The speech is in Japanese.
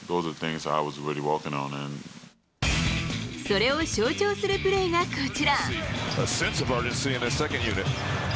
それを象徴するプレーがこちら。